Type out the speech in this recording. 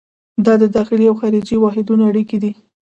دا د داخلي او خارجي واحدونو اړیکې دي.